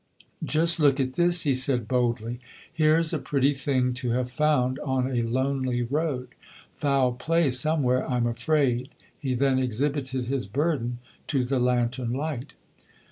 "Just look at this," he said boldly. "Here's a pretty thing to have found on a lonely road. Foul play somewhere, I'm afraid," he then exhibited his burden to the lantern light.